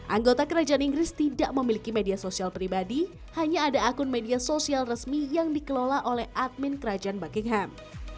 anggota kerajaan inggris tidak memiliki media sosial pribadi hanya ada akun media sosial resmi yang dikelola oleh admin kerajaan buckingham